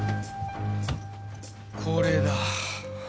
これだ。